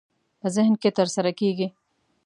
په ذهن کې ترسره کېږي.